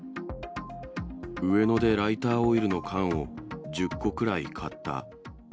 上野でライターオイルの缶を１０個くらい買った。